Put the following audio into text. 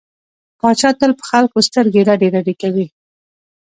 پاچا تل په خلکو سترګې رډې رډې کوي.